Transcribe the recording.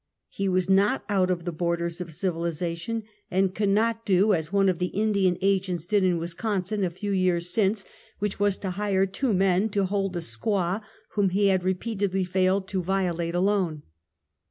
He was not out of the borders of civili zation and could not do as one of the Indian Agents did in Wisconsin a few years since, which was to hire two men to hold a squaw whom he had repeat \^ edly failed to violate alone.